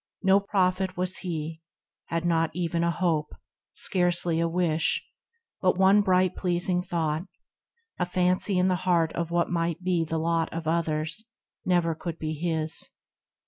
" No Prophet was he, had not even a hope, Scarcely a wish, but one bright pleasing thought, A fancy in the heart of what might be The lot of others, never could be his.